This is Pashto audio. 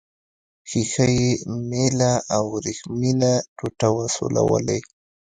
ښيښه یي میله او وریښمینه ټوټه وسولوئ.